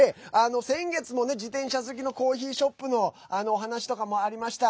先月もね、自転車好きのコーヒーショップの話とかもありました。